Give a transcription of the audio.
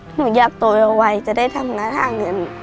หนูอยากโตเอาไว้จะได้ทำหน้าหาเงิน